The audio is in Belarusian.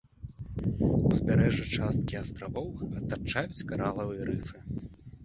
Узбярэжжа часткі астравоў атачаюць каралавыя рыфы.